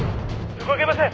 動けません。